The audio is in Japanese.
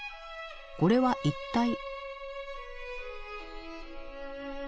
これは一体？